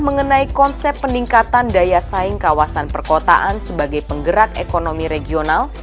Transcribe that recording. mengenai konsep peningkatan daya saing kawasan perkotaan sebagai penggerak ekonomi regional